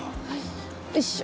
おいしょ。